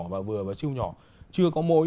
và vừa và siêu nhỏ chưa có mối